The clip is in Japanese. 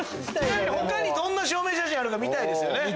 他にどんな証明写真あるか見たいですよね。